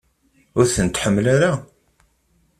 Ur tent-tḥemmel ara?